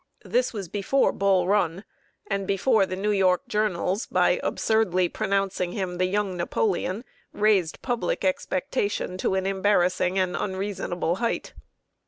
This was before Bull Run, and before the New York journals, by absurdly pronouncing him "the Young Napoleon," raised public expectation to an embarrassing and unreasonable hight.